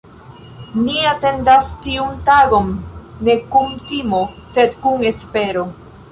Ni atendas tiun tagon ne kun timo, sed kun espero.